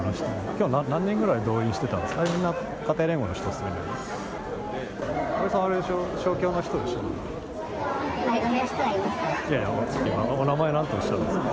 きょう、何人ぐらい動員してたんですか？